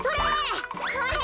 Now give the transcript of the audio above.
それ！